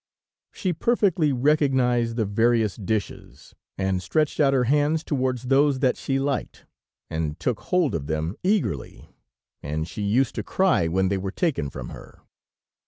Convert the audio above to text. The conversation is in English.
She perfectly recognized the various dishes, and stretched out her hands towards those that she liked, and took hold of them eagerly, and she used to cry when they were taken from her.